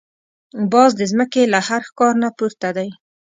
باز د زمکې له هر ښکار نه پورته دی